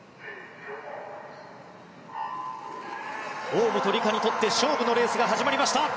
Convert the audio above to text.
大本里佳にとって勝負のレースが始まりました。